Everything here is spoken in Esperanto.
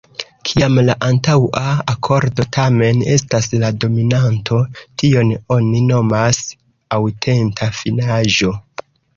Kiam la antaŭa akordo tamen estas la dominanto, tion oni nomas aŭtenta finaĵo.